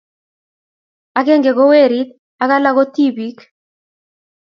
Akenge ko werit ak alak aeng ko tipik